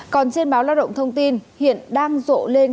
còn trên báo lao động thông tin hiện đang rộ lên các chiêu lửa đáy